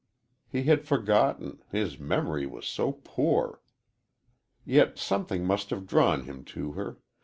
He had forgotten his memory was so poor. "Yet something must have drawn him to her.